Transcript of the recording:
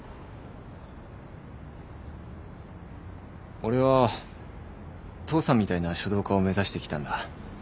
俺は父さんみたいな書道家を目指してきたんだ。